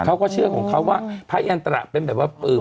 เขาก็เชื่อของเขาว่าพระยันตระเป็นแบบว่า